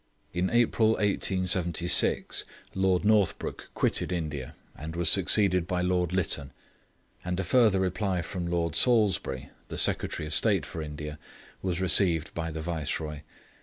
In April 1876 Lord Northbrook quitted India, and was succeeded by Lord Lytton; and a further reply from Lord Salisbury, the Secretary of State for India, was received by the Viceroy.